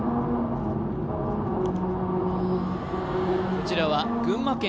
こちらは群馬県